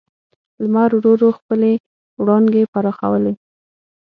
لمر ورو ورو خپلې وړانګې پراخولې.